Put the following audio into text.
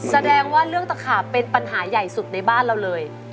แสดงว่าเรื่องตะขาบเป็นปัญหาใหญ่สุดในบ้านเราเลย